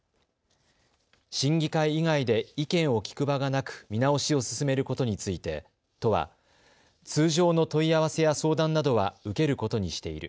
審議会以外で意見を聞く場がなく見直しを進めることについて都は通常の問い合わせや相談などは受けることにしている。